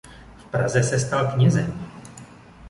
V Praze se stal knězem.